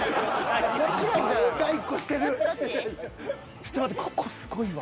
ちょっと待ってここすごいわ。